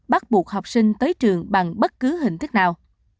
bắt buộc học sinh tới trường bằng bất cứ hình thức nào